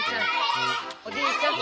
おじいちゃん！